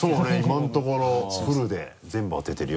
今のところフルで全部当ててるよ。